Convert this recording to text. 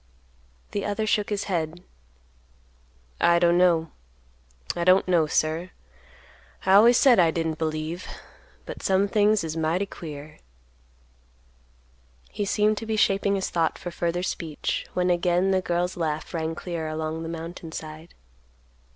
The other shook his head; "I don't know—I don't know, sir; I always said I didn't believe, but some things is mighty queer." He seemed to be shaping his thought for further speech, when again the girl's laugh rang clear along the mountain side.